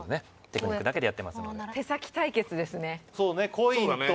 テクニックだけでやってます。